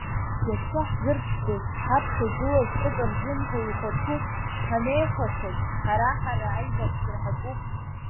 Иацы ҳзырԥшӡоз, ҳаԥхьа игылаз ҟыт рзымҳәо ихәаҽуп, ҳанеихәашаз ҳара-ҳара аибарԥсра ҳаҿуп.